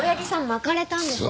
まかれたんですか？